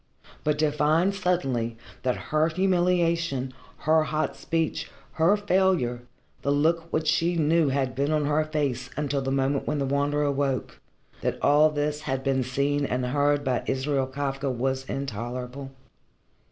But to find suddenly that her humiliation, her hot speech, her failure, the look which she knew had been on her face until the moment when the Wanderer awoke, that all this had been seen and heard by Israel Kafka was intolerable.